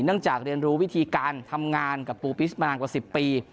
จากเรียนรู้วิธีการทำงานกับปูปิสมานานกว่า๑๐ปี